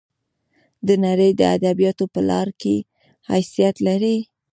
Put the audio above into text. د نړۍ د ادبیاتو په لار کې حیثیت لري.